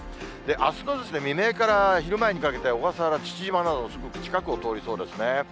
あすの未明から昼前にかけて、小笠原、父島など、すごく近くを通りそうですね。